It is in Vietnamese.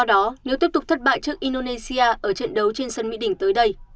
do đó nếu tiếp tục thất bại trước indonesia ở trận đấu trên sân mỹ đình tới đây